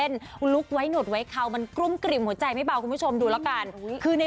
มิกธรรมยา